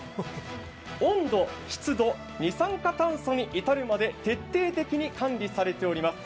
温度、湿度、二酸化炭素に至るまで徹底的に管理されております。